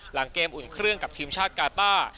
หลังเกมอุ่นเครื่องกับทีมชาติกาต้า